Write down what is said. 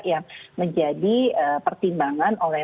yang menjadi pertimbangan oleh